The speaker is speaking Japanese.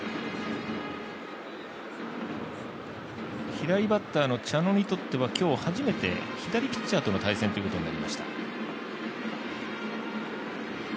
左バッターの茶野にとっては今日初めて左ピッチャーとの対戦ということになりました。